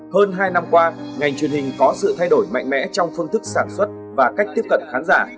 hơn hai năm qua ngành truyền hình có sự thay đổi mạnh mẽ trong phương thức sản xuất và cách tiếp cận khán giả